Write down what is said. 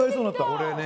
これね。